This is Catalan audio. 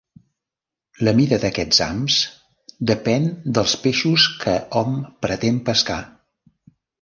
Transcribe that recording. La mida d'aquests hams depèn dels peixos que hom pretén pescar.